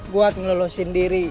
gue akan lolosin diri